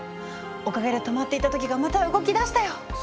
おかげで止まっていた時がまた動きだしたよ。